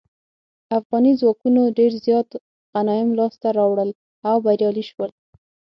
افغاني ځواکونو ډیر زیات غنایم لاسته راوړل او بریالي شول.